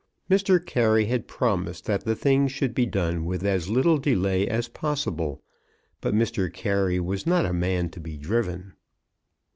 Mr. Carey had promised that the thing should be done with as little delay as possible, but Mr. Carey was not a man to be driven.